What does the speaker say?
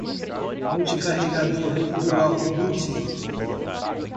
multi-carregador, dual booting